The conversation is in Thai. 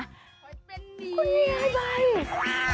คุณยายไบต์